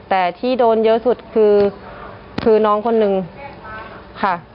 แต่ที่โดนเยอะสุดคือน้องคนนึงค่ะ